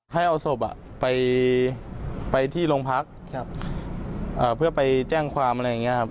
ให้เอาศพไปที่โรงพักเพื่อไปแจ้งความอะไรอย่างนี้ครับ